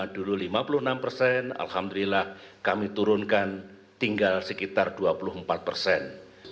dulu lima puluh enam persen alhamdulillah kami turunkan tinggal sekitar dua puluh empat persen